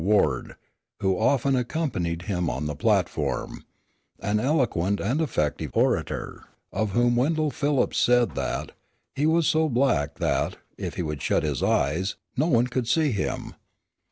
Ward, who often accompanied him on the platform, an eloquent and effective orator, of whom Wendell Phillips said that "he was so black that, if he would shut his eyes, one could not see him."